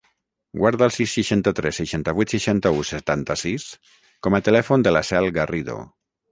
Guarda el sis, seixanta-tres, seixanta-vuit, seixanta-u, setanta-sis com a telèfon de la Cel Garrido.